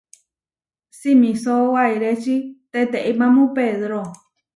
Simisó wairéči teteimámu pedro.